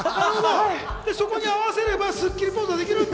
そこに合わせれば、スッキリポーズができるんだ。